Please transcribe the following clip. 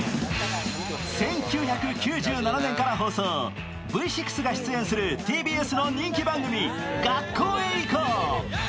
１９９７年から放送、Ｖ６が出演するＴＢＳの人気番組「学校へ行こう！」。